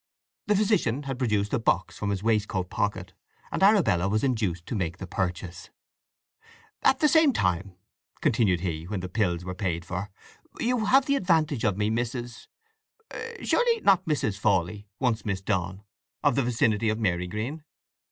The physician had produced a box from his waistcoat pocket, and Arabella was induced to make the purchase. "At the same time," continued he, when the pills were paid for, "you have the advantage of me, Mrs.— Surely not Mrs. Fawley, once Miss Donn, of the vicinity of Marygreen?"